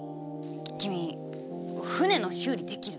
君船の修理できる？